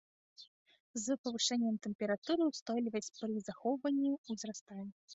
З павышэннем тэмпературы ўстойлівасць пры захоўванні ўзрастае.